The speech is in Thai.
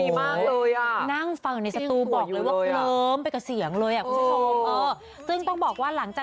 หน้าบ้านเพื่อนนั้นนะ